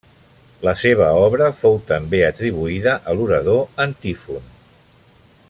La seva obra fou també atribuïda a l'orador Antífon.